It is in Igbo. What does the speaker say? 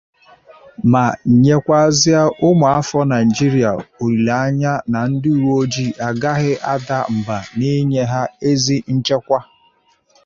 ma nyekwazie ụmụafọ Nigeria olileanya na ndị uweojii agaghị ada mba n'inye ha ezi nchekwa.